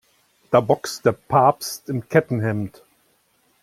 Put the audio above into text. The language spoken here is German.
Da boxt der Papst im Kettenhemd.